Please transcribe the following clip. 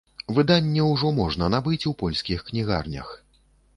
Выданне ўжо можна набыць у польскіх кнігарнях.